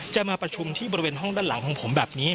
มาประชุมที่บริเวณห้องด้านหลังของผมแบบนี้